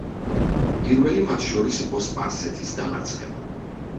პირველი მათ შორის იყო სპარსეთის დამარცხება.